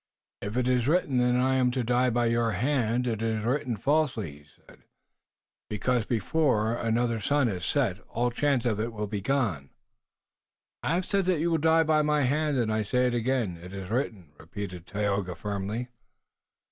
"If it is written that I am to die by your hand it is written falsely," he said, "because before another sun has set all chance for it will be gone." "I have said that you will die by my hand, and I say it again. It is written," repeated Tayoga firmly.